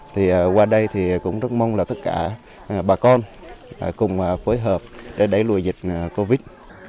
thì qua đây thì cũng rất mong là tất cả bà con cùng phối hợp để đẩy lùi dịch covid